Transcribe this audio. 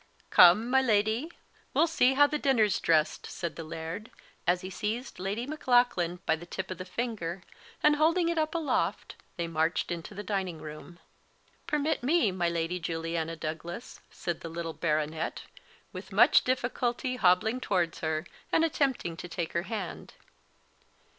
"Come, my leddie, we'll see how the dinner's dressed," said the Laird, as he seized Lady Maclaughlan by the tip of the finger, and holding it up aloft, they marched into the dining room. "Permit me, my Lady Juliana Douglas," said the little Baronet, with much difficulty hobbling towards her, and attempting to take her hand.